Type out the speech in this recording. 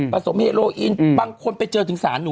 สมเฮโลอินบางคนไปเจอถึงสารหนู